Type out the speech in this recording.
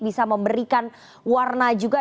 bisa memberikan warna juga